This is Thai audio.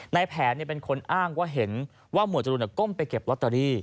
ในแผนเป็นคนอ้างว่าเห็นว่าหมวดจรูนก้มไปเก็บลอตเตอรี่